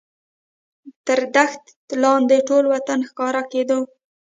تر دښت لاندې ټول وطن ښکاره کېدو.